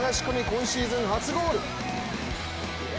今シーズン初ゴール。